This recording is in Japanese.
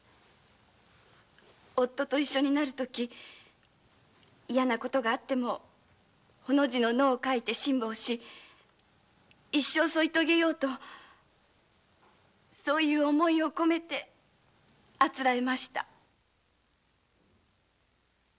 夫と一緒になるとき嫌なことがあってもほの字の「の」を書いて辛抱し一生添いとげようとそういう思いをこめて誂えました。